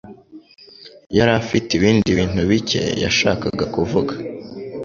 yari afite ibindi bintu bike yashakaga kuvuga.